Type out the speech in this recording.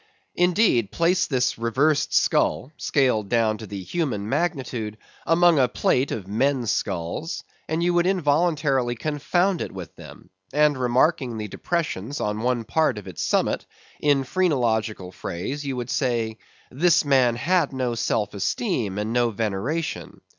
Indeed, place this reversed skull (scaled down to the human magnitude) among a plate of men's skulls, and you would involuntarily confound it with them; and remarking the depressions on one part of its summit, in phrenological phrase you would say—This man had no self esteem, and no veneration.